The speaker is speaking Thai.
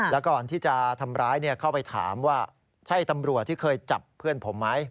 แล้วก่อนที่จะทำร้ายเข้าไปถามว่าใช่ตำรวจที่เคยจับเพื่อนผมไหม